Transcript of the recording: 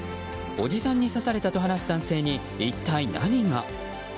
おじさんに刺されたと話す男性に一体何が。